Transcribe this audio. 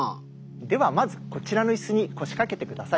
ではまずこちらのいすに腰掛けてください。